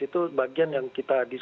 itu bagian yang kita bisa